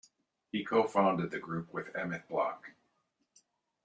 He co-founded the group with Emit Bloch.